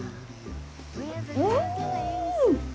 うん！